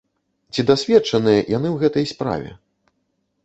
Ці дасведчаныя яны ў гэтай справе?